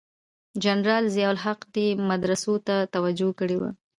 جنرال ضیأ الحق دې مدرسو ته توجه کړې وه.